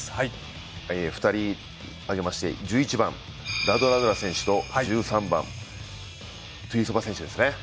２人挙げまして１１番、ラドラドラ選手と１３番、テュイソバ選手ですね。